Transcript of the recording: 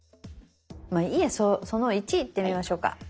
まあいいや「その１」いってみましょうか。